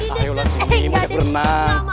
ayolah sini minta berenang